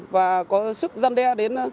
và có sức dân đe đến